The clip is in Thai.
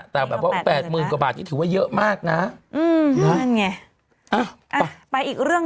สำหรับเยอะสิพี่